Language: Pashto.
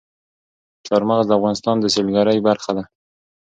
چار مغز د افغانستان د سیلګرۍ برخه ده.